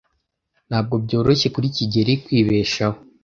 Ntabwo byoroshye kuri kigeli kwibeshaho.